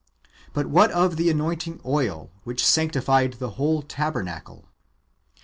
But vvdiat of the anointing oil,^ which sanctified the whole tabernacle ?